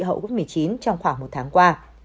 hậu covid một mươi chín trong khoảng một tháng qua